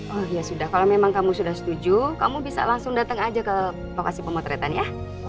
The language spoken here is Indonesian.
oh iya sudah kalau memang kamu sudah setuju kamu bisa langsung datang aja ke lokasi pemotretan ya